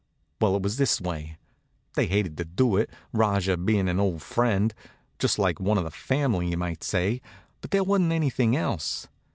Well, it was this way: They hated to do it, Rajah being an old friend, just like one of the family, you might say, but there wasn't anything else.